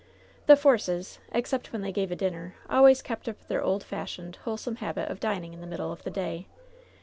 The Forces, except when they gave a dinner, always kept up their old fashioned, wholesome habit of dining in the middle of the day.